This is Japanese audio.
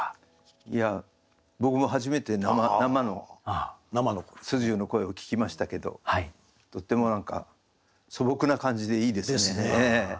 いや僕も初めて生の素十の声を聞きましたけどとっても何か素朴な感じでいいですね。